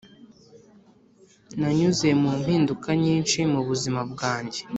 nanyuze mu mpinduka nyinshi mubuzima bwanjye